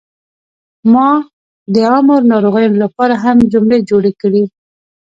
ما د عامو ناروغیو لپاره هم جملې جوړې کړې.